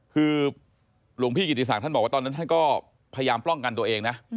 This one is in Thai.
คือหลวงพี่กิติศักดิ์ท่านบอกว่าตอนนั้นท่านก็พยายามป้องกันตัวเองนะ